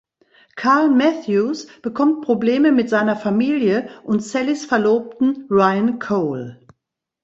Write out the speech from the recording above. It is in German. Carl Matthews bekommt Probleme mit seiner Familie und Sallys Verlobten Ryan Cole.